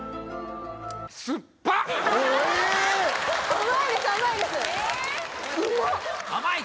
甘いです甘いですうまっ！